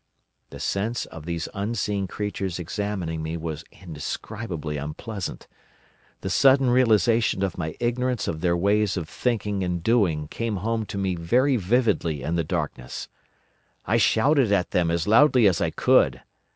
The sense of these unseen creatures examining me was indescribably unpleasant. The sudden realisation of my ignorance of their ways of thinking and doing came home to me very vividly in the darkness. I shouted at them as loudly as I could.